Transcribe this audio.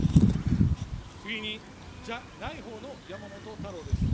次に、じゃないほうの山本太郎です。